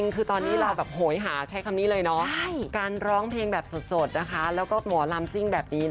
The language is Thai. โควิดระบาดบ้านเมืองพินาศสิทธิ์กินบ่ดี